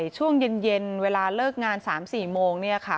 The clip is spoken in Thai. ช่วงเย็นเวลาเลิกงาน๓๔โมงเนี่ยค่ะ